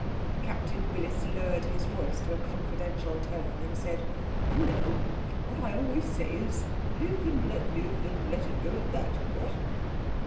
Captain Willis lowered his voice to a confidential tone and said: 'Do you know, what I always say is live and let live and let it go at that; what?'